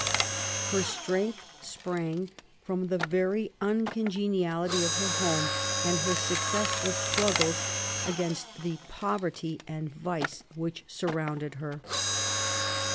Her strength sprang from the very uncongeniality of her home and her successful struggles against the poverty and vice which surrounded her.